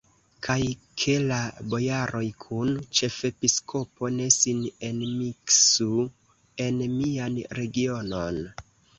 Kaj ke la bojaroj kun ĉefepiskopo ne sin enmiksu en mian regionon!